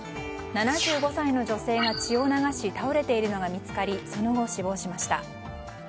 ７５歳の女性が血を流し倒れているのが見つかりその後、死亡しました。